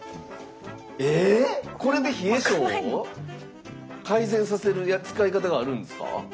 えこれで冷え症を改善させる使い方があるんですか？